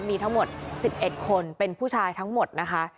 มีทั้งหมด๑๑คนเป็นผู้ชายทั้งหมดนะคะ